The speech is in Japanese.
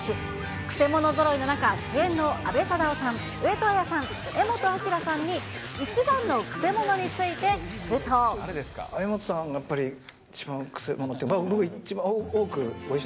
くせ者ぞろいの中、主演の阿部サダヲさん、上戸彩さん、柄本明さんに、一番のくせ者柄本さんがやっぱり、一番くせ者。